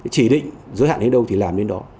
chỉ định giới hạn đến đâu thì làm bên đó